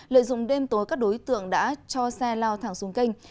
lợi dụng đêm tối các đối tượng đã cho xe lao thẳng xuống kênh